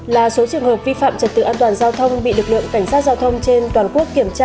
ba tám trăm linh là số trường hợp vi phạm trật tự an toàn giao thông bị lực lượng cảnh sát giao thông trên toàn quốc